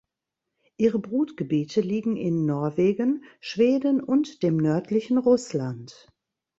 Ihre Brutgebiete liegen in Norwegen, Schweden und dem nördlichen Russland.